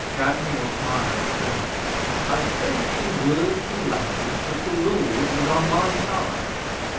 Kadmiel smiled grimly. 'I sent him word from London that the Lord was on my side.